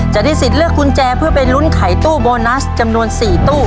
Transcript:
จะได้สิทธิ์เลือกกุญแจเพื่อไปลุ้นไขตู้โบนัสจำนวน๔ตู้